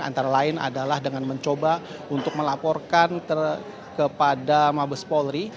antara lain adalah dengan mencoba untuk melaporkan kepada mabes polri